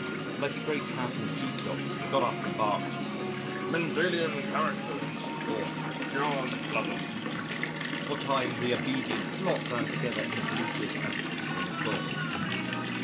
Like a great powerful sheep dog, he got up and barked, "Mendelian characters," or "Germ plasm," what time the obedient flock ran together and bleated a pitiful applause.